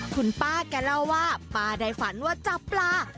คุณป้าแกเล่าว่าป้าได้ฝันว่าจับปลา